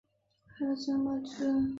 韩国庆州的妈妈钟据说以此法铸成。